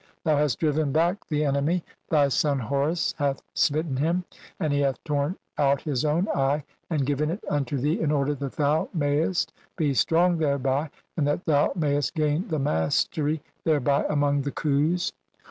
Thou hast driven back [the "enemy], thy son Horus hath smitten him, and he hath "torn out his own eye and given it unto thee in order "that thou mayest be strong thereby, and that thou "mayest gain the mastery thereby among the Khus.